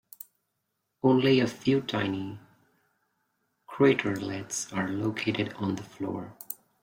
Only a few tiny craterlets are located on the floor.